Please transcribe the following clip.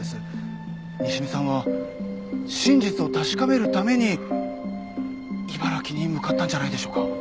西見さんは真実を確かめるために茨城に向かったんじゃないでしょうか？